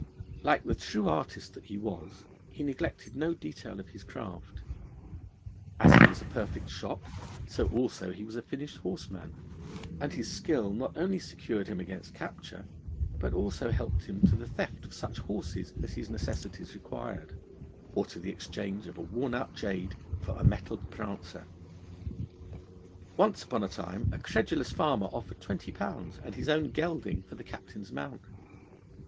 Like the true artist that he was, he neglected no detail of his craft. As he was a perfect shot, so also he was a finished horseman; and his skill not only secured him against capture, but also helped him to the theft of such horses as his necessities required, or to the exchange of a worn out jade for a mettled prancer. Once upon a time a credulous farmer offered twenty pounds and his own gelding for the Captain's mount.